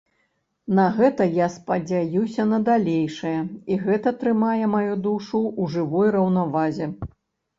На гэта я спадзяюся на далейшае, і гэта трымае маю душу ў жывой раўнавазе.